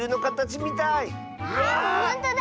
わあほんとだ。